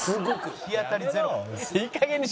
「日当たりゼロ」